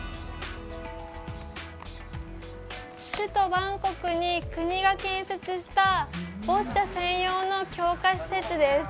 首都バンコクに国が建設したボッチャ専用の強化施設です。